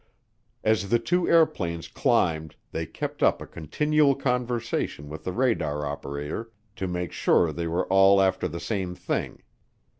As the two airplanes climbed they kept up a continual conversation with the radar operator to make sure they were all after the same thing.